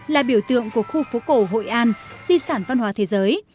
là biểu tượng của khu phố cổ hội an di sản văn hóa thế giới